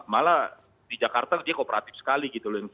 malah di jakarta dia kooperatif sekali gitu